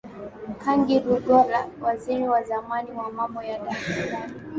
Kangi Lugola Waziri wa zamani wa Mambo ya Ndani